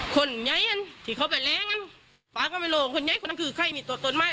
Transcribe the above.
คนใหญ่อันที่เขาไปแรงกันฟ้าก็ไม่ลงคนใหญ่คนนั้นคือใครมีตัวตนไหม